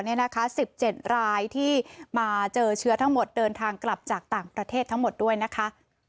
๑๗รายที่มาเจอเชื้อทั้งหมดเดินทางกลับจากต่างประเทศทั้งหมดด้วยนะคะ